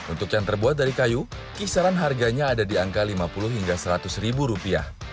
untuk yang terbuat dari kayu kisaran harganya ada di angka rp lima puluh hingga rp seratus